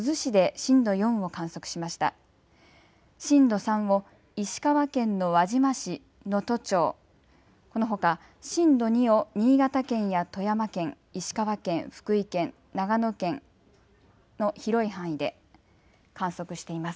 震度３を石川県の輪島市、能登町、このほか震度２を新潟県や富山県、石川県、福井県、長野県の広い範囲で観測しています。